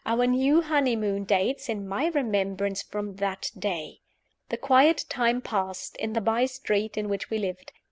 Our new honeymoon dates, in my remembrance, from that day. The quiet time passed, in the by street in which we lived.